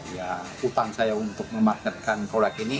ya hutang saya untuk memarketkan produk ini